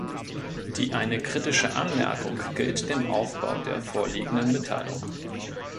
Die eine kritische Anmerkung gilt dem Aufbau der vorliegenden Mitteilung.